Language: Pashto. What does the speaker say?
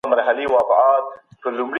د چا حق مه خوره ځکه چي دا ناوړه عمل دی.